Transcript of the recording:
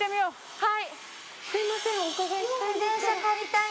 はい。